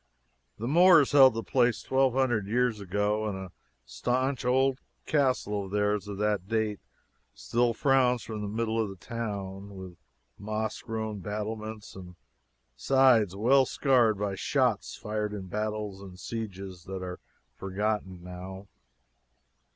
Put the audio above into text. The Moors held the place twelve hundred years ago, and a staunch old castle of theirs of that date still frowns from the middle of the town, with moss grown battlements and sides well scarred by shots fired in battles and sieges that are forgotten now.